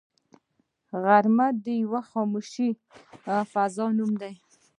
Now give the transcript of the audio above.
غرمه د یوې خاموشې فضا نوم دی